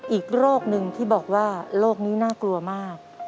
อีกโรคหนึ่งที่บอกว่าโรคนี้น่ากลัวมาก